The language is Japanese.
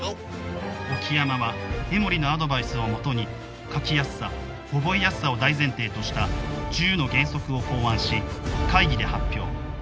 沖山は江守のアドバイスをもとに書きやすさ・覚えやすさを大前提とした十の原則を考案し会議で発表